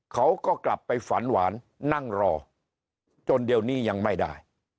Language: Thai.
เขาก็กลับไปฝันหวานนั่งรอจนเดี๋ยวนี้ยังไม่ได้